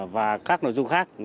và các nội dung khác